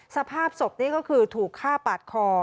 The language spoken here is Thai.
สภาพศพนี่ก็คือถูกฆ่าปาดคอ